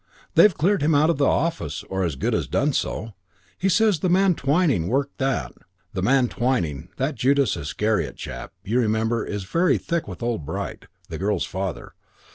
They've cleared him out of the office, or as good as done so. He says the man Twyning worked that. The man Twyning that Judas Iscariot chap, you remember is very thick with old Bright, the girl's father.